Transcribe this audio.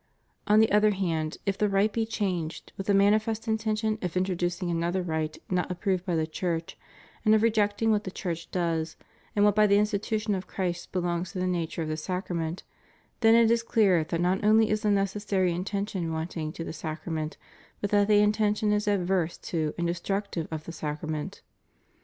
On the other hand, if the rite be changed, with the manifest intention of introducing another rite not approved by the Church and of rejecting what the Church does, and what by the institution of Christ belongs to the nature of the sacra ment, then it is clear that not only is the necessary in tention wanting to the sacrament, but that the intention is adverse to and destructive of the sacrament.